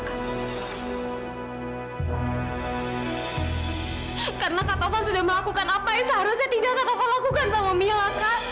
karena ketaufan sudah melakukan apa yang seharusnya tinggal ketaufan lakukan sama mila